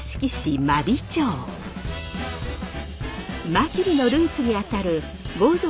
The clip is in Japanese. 真備のルーツにあたる豪族